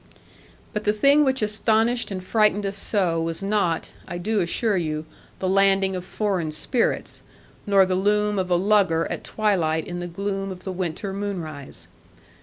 But the thing which astonished and frightened us so, was not, I do assure you, the landing of foreign spirits, nor the loom of a lugger at twilight in the gloom of the winter moonrise.